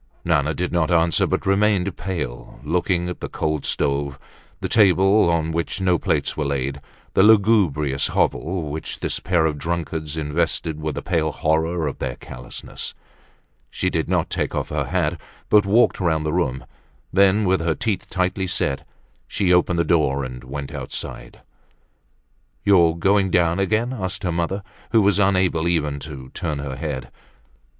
Nana did not answer, but remained pale, looking at the cold stove, the table on which no plates were laid, the lugubrious hovel which this pair of drunkards invested with the pale horror of their callousness. She did not take off her hat but walked round the room; then with her teeth tightly set, she opened the door and went out. "You are doing down again?" asked her mother, who was unable even to turn her head.